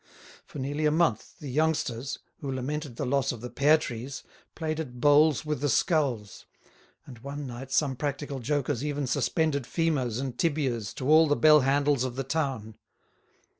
For nearly a month the youngsters, who lamented the loss of the pear trees, played at bowls with the skulls; and one night some practical jokers even suspended femurs and tibias to all the bell handles of the town.